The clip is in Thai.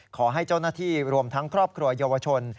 ขอให้เจ้าหน้าที่รวมทั้งครอบครัวเยาวชน